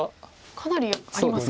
かなりありますか。